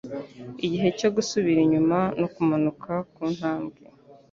Igihe cyo gusubira inyuma no kumanuka kuntambwe,